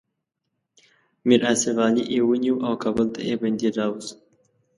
میر آصف علي یې ونیو او کابل ته یې بندي راووست.